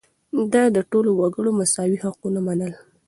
ده د ټولو وګړو مساوي حقونه منل.